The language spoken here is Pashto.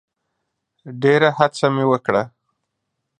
ډېره هڅه مي وکړه .